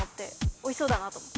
おいしそうだなと思って。